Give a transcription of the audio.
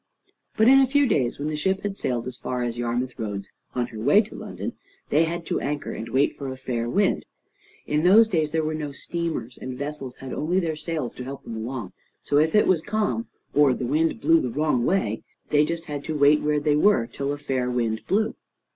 But in a few days, when the ship had sailed as far as Yarmouth Roads on her way to London, they had to anchor, and wait for a fair wind. In those days there were no steamers, and vessels had only their sails to help them along; so if it was calm, or the wind blew the wrong way, they had just to wait where they were till a fair wind blew.